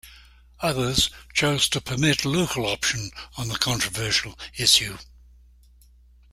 Others chose to permit local option on the controversial issue.